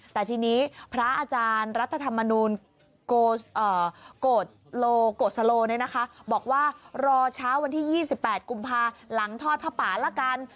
แต่ทีนี้พระอาจารย์รัฐธรรมนูลโกสโลบอกว่ารอเช้าวันที่๒๘กุมภาหลังทอดผ้าป่าละกัน